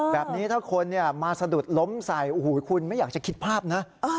แบบนี้ถ้าคนมาสะดุดล้มใส่โอ้โหคุณไม่อยากจะคิดภาพนะ